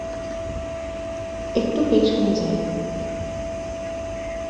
একটু পেছনে যাই।